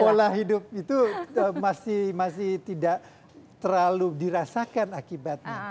pola hidup itu masih tidak terlalu dirasakan akibatnya